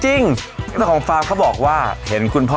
จริงแล้วของฝาบอกว่าเห็นคุณพ่อ